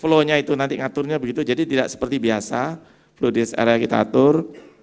follow nya itu nanti ngaturnya begitu jadi tidak seperti biasa flow disk area kita atur